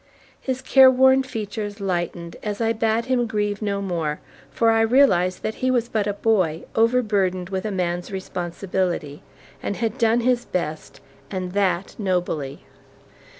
His careworn features lightened as I bade him grieve no more, for I realized that he was but a boy, overburdened with a man's responsibilities, and had done his best, and that nobly.